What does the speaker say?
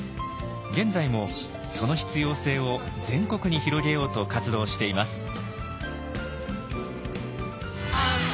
現在もその必要性を全国に広げようと活動しています。